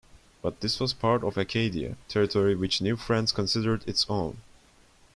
But this was part of Acadia, territory which New France considered its own.